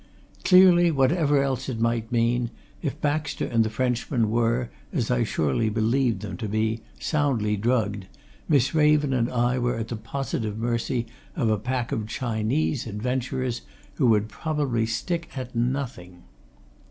Clearly, whatever else it might mean, if Baxter and the Frenchman were, as I surely believed them to be, soundly drugged, Miss Raven and I were at the positive mercy of a pack of Chinese adventurers who would probably stick at nothing.